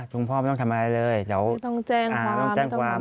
คุณพ่อไม่ต้องทำอะไรเลยเดี๋ยวต้องแจ้งความ